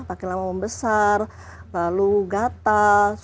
pakin lama membesar lalu gatal